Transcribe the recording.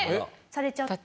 されちゃって。